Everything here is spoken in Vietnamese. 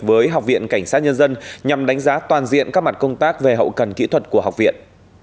với học viện cảnh sát nhân dân nhằm đánh giá toàn diện các mặt công tác về hậu cần kỹ thuật của học viện